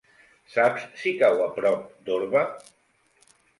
Saps si cau a prop d'Orba?